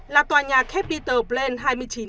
là tòa nhà capitol plain